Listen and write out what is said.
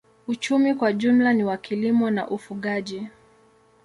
Uchumi kwa jumla ni wa kilimo na ufugaji.